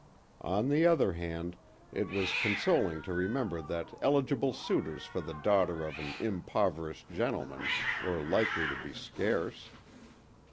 On the other hand, it was consoling to remember that eligible suitors for the daughter of an impoverished gentleman were likely to be scarce.